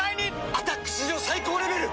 「アタック」史上最高レベル！